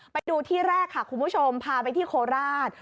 ไปดูที่แรกค่ะคุณผู้ชมพาไปที่โคราช